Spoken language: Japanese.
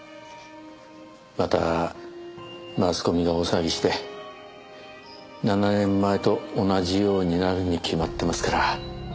またマスコミが大騒ぎして７年前と同じようになるに決まってますから。